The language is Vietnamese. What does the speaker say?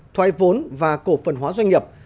thoái vốn và cổ phần hóa doanh nghiệp